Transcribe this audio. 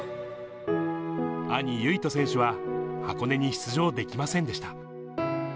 兄、唯翔選手は箱根に出場できませんでした。